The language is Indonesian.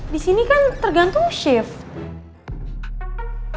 di sini kan tergantung shift